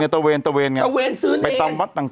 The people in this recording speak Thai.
ตะเวนตะเวนตะเวนซื้อเนร